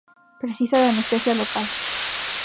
Precisa de anestesia local.